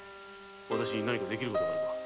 私に何か出来ることがあるなら。